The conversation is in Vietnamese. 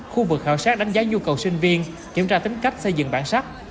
khu vực khảo sát đánh giá nhu cầu sinh viên kiểm tra tính cách xây dựng bản sắc